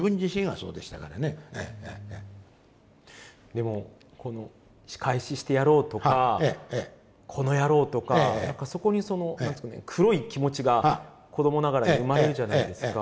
でもこの「仕返ししてやろう」とか「この野郎」とか何かそこにその黒い気持ちが子どもながらに生まれるじゃないですか。